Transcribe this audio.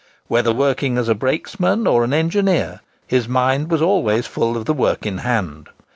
Whether working as a brakesman or an engineer, his mind was always full of the work in hand.